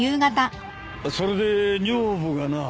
それで女房がな。